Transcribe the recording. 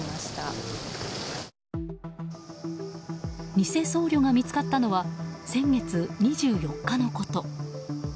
偽僧侶が見つかったのは先月２４日のこと。